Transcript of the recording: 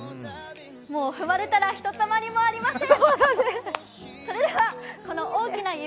もう踏まれたらひとたまりもありません。